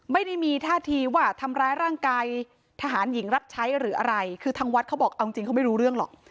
ไม่ได้มีท่าทีว่าทำร้ายร่างกายทหารหญิงรับใช้หรืออะไรคือทางวัดเขาบอกเอาจริงเขาไม่รู้เรื่องหรอก